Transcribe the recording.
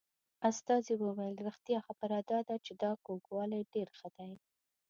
استازي وویل رښتیا خبره دا ده چې دا کوږوالی ډېر ښه دی.